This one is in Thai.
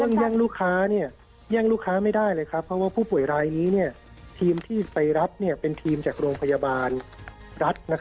แย่งลูกค้าแย่งลูกค้าไม่ได้เลยครับเพราะว่าผู้ป่วยรายนี้ทีมที่ไปรับเป็นทีมจากโรงพยาบาลรัฐ